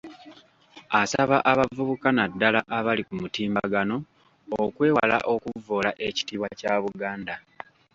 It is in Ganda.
Asaba abavubuka naddala abali ku mutimbagano okwewala okuvvoola ekitibwa kya Buganda.